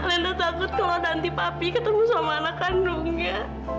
alina takut kalau nanti papi ketemu sama anak kandungnya